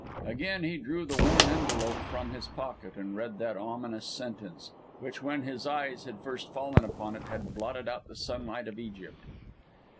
Again he drew the worn envelope from his pocket and read that ominous sentence, which, when his eyes had first fallen upon it, had blotted out the sunlight of Egypt.